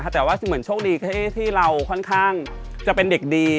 แต่ว่าช่วงดีที่เราค่อนข้างจะเป็นเด็กดี